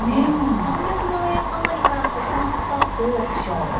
３００万円余りから始まったオークション。